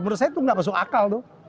menurut saya itu nggak masuk akal tuh